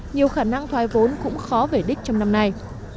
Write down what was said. nhiều khả năng thoái vốn cũng khó về đích trong năm nay